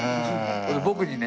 僕にね